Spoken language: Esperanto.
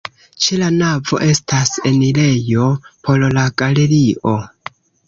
Ĉe la navo estas enirejo por la galerio.